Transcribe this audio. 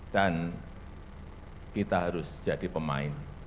dan kita harus jadi pemain